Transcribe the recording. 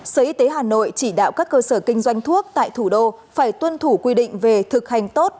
sở y tế hà nội chỉ đạo các cơ sở kinh doanh thuốc tại thủ đô phải tuân thủ quy định về thực hành tốt